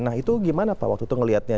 nah itu gimana pak waktu itu ngelihatnya